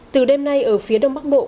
từ đêm nay ở phía đông bắc bộ